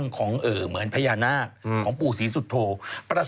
ปลาหมึกแท้เต่าทองอร่อยทั้งชนิดเส้นบดเต็มตัว